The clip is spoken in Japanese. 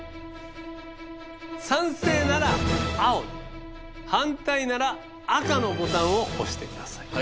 賛成なら青反対なら赤のボタンを押して下さい。